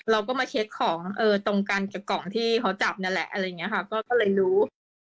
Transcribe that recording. เราก็มาเช็คของตรงกันกับกล่องที่เขาจับนั่นแหละอะไรอย่างนี้ค่ะก็เลยรู้